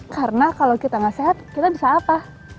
karena kalau kita gak sehat kita bisa apa